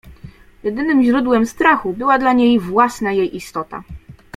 Jedynym źródłem strachu była dla niej własna jej istota.